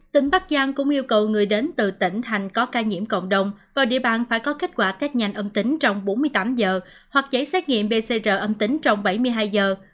tỉnh bắc giang cũng yêu cầu người đến từ tỉnh thành có ca nhiễm cộng đồng và địa bàn phải có kết quả test nhanh âm tính trong bốn mươi tám giờ hoặc giấy xét nghiệm pcr âm tính trong bảy mươi hai giờ